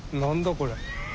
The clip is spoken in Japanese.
これ。